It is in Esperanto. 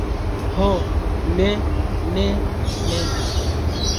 Ho, ne, ne, ne!